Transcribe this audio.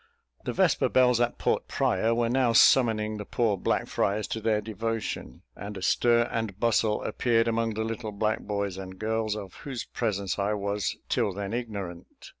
The vesper bells at Port Praya were now summoning the poor black friars to their devotion; and a stir and bustle appeared among the little black boys and girls, of whose presence I was till then ignorant.